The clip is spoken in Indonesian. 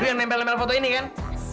biar nempel nempel foto ini kan